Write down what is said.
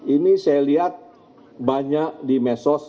ini saya lihat banyak di mesos